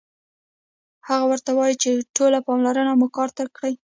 هغه ورته وايي چې ټوله پاملرنه مو کار ته کړئ